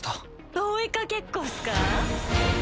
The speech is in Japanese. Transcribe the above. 追いかけっこっすかぁ？